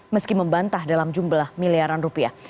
meski membantah dalam jumlah miliaran rupiah